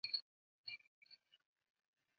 胡晋臣肯定朱熹批评林栗。